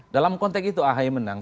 dalam konteks itu ahy menang